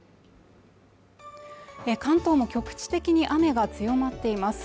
関東も局地的に雨が強まっています